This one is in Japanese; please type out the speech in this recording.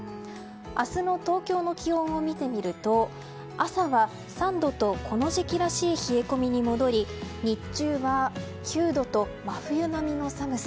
明日の東京の気温を見てみると朝は３度とこの時期らしい冷え込みに戻り日中は９度と真冬並みの寒さ。